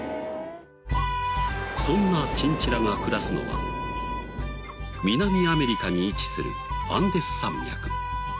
そんなチンチラが暮らすのは南アメリカに位置するアンデス山脈。